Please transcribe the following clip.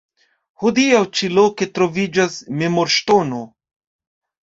Hodiaŭ ĉi loke troviĝas memorŝtono.